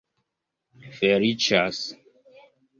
feliĉas